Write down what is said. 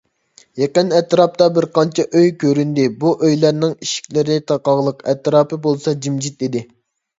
يېقىن ئەتراپتا بىرقانچە ئۆي كۆرۈندى، بۇ ئۆيلەرنىڭ ئىشىكلىرى تاقاقلىق، ئەتراپ بولسا جىمجىت ئىدى.